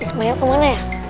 ismail kemana ya